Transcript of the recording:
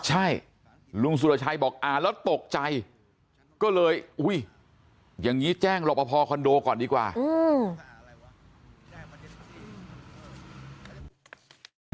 ใช่ลุงสุรชัยบอกอ่านแล้วตกใจก็เลยอุ้ยอย่างนี้แจ้งรอปภคอนโดก่อนดีกว่าอืม